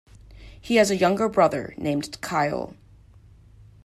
He has a younger brother named Kyle.